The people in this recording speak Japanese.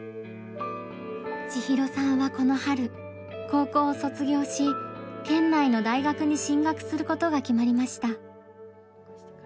千尋さんはこの春高校を卒業し県内の大学に進学することが決まりました。